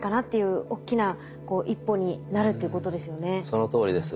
そのとおりです。